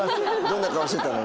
どんな顔してたの？